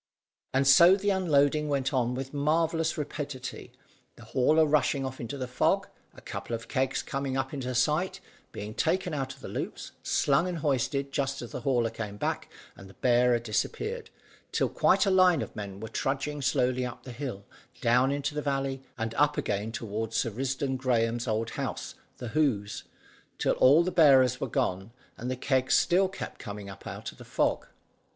And so the unloading went on with marvellous rapidity, the hauler rushing off into the fog, a couple of kegs coming up into sight, being taken out of the loops, slung and hoisted just as the hauler came back and the bearer disappeared, till quite a line of men were trudging slowly up the hill, down into the valley, and up again toward Sir Risdon Graeme's old house, the Hoze, till all the bearers were gone, and the kegs still kept coming up out of the fog.